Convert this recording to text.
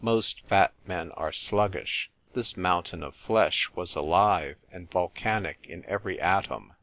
Most fat men are sluggish : this mountain of flesh was alive and volcanic in every atom.